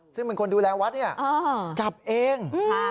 ซึ่งเป็นคนดูแลวัดเนี่ยจับเอง